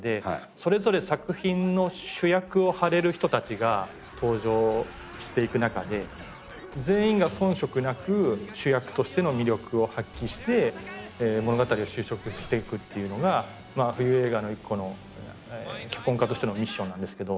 それぞれ作品の主役を張れる人たちが登場していく中で全員が遜色なく主役としての魅力を発揮して物語を修飾していくっていうのが冬映画の一個の脚本家としてのミッションなんですけど。